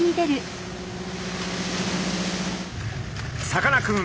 さかなクン